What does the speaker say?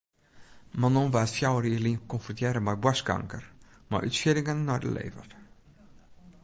Manon waard fjouwer jier lyn konfrontearre mei boarstkanker mei útsieddingen nei de lever.